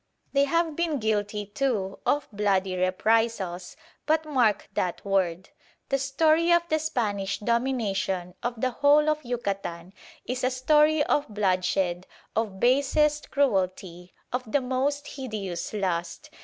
They have been guilty, too, of bloody reprisals; but mark that word! The story of the Spanish domination of the whole of Yucatan is a story of bloodshed, of basest cruelty, of the most hideous lust.